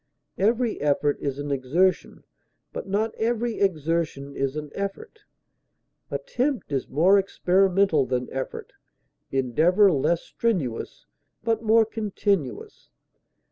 Every effort is an exertion, but not every exertion is an effort. Attempt is more experimental than effort, endeavor less strenuous but more continuous.